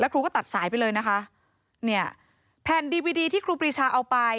ครูก็ตัดสายไปเลยนะคะเนี่ยแผ่นดีวิดีที่ครูปรีชาเอาไป